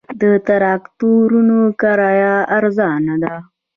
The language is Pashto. د تراکتورونو کرایه ارزانه ده